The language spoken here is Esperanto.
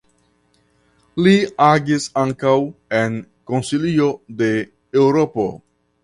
Li agis ankaŭ en Konsilio de Eŭropo.